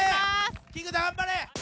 菊田頑張れ！